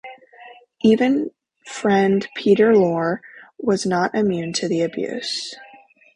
Even friend Peter Lorre was not immune to the abuse.